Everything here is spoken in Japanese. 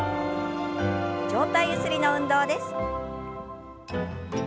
上体ゆすりの運動です。